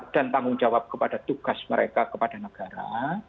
dan tanggung jawab kepada tugas mereka kepada negara